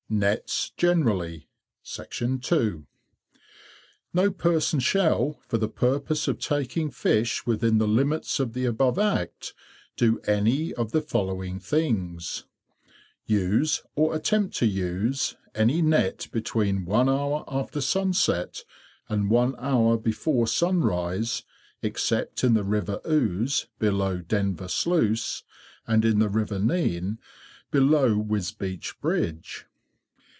NETS GENERALLY. 2. No person shall, for the purpose of taking Fish within the limits of the above Act, do any of the following things:— 1. Use or attempt to use any Net between one hour after sunset and one hour before sunrise, except in the River Ouse below Denver Sluice, and in the River Nene below Wisbeach Bridge.